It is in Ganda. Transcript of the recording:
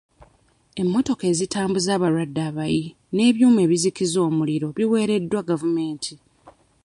Emmotoka ezitambuza abalwadde abayi n'ebyuma ebizikiza omuliro biweereddwa gavumenti.